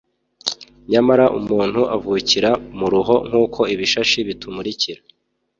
Nyamara umuntu avukira umuruho, nkuko ibishashi bitumurikira